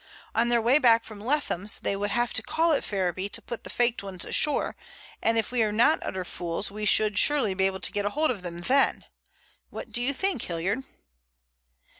On their way back from Leatham's they would have to call at Ferriby to put these faked ones ashore, and if we are not utter fools we should surely be able to get hold of them then. What do you think, Hilliard?"